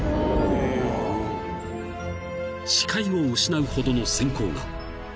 ［視界を失うほどの閃光が］